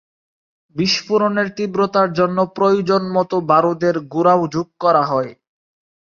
বিস্ফোরণের তীব্রতার জন্য প্রয়োজনমতো বারুদের গুঁড়াও যোগ করা হয়।